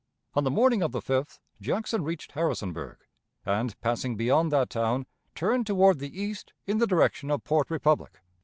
On the morning of the 5th Jackson reached Harrisonburg, and, passing beyond that town, turned toward the east in the direction of Port Republic.